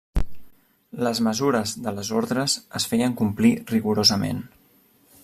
Les mesures de les ordres es feien complir rigorosament.